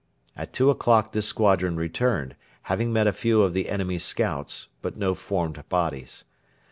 At two o'clock this squadron returned, having met a few of the enemy's scouts, but no formed bodies.